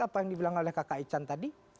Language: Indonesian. apa yang dibilang oleh kakak ican tadi